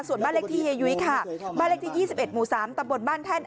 ส่วนบ้านเลขที่เฮียยุ้ยค่ะบ้านเลขที่๒๑หมู่๓ตำบลบ้านแท่น